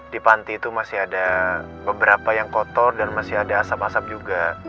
di panti itu masih ada beberapa yang kotor dan masih ada asap asap juga